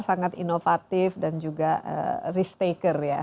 sangat inovatif dan juga risk taker ya